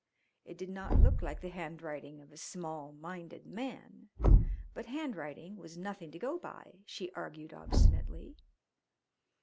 It did not look like the handwriting of a small minded man, but handwriting was nothing to go by, she argued obstinately.